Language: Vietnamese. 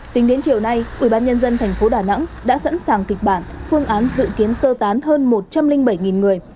tính đến chiều nay ubnd tp đà nẵng đã sẵn sàng kịch bản phương án dự kiến sơ tán hơn một trăm linh bảy người